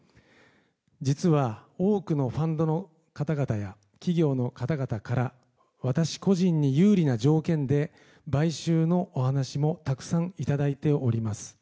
実は多くのファンドの方々や企業の方々から私個人に有利な条件で買収のお話もたくさんいただいております。